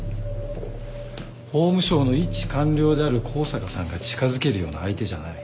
法務省の一官僚である香坂さんが近づけるような相手じゃない。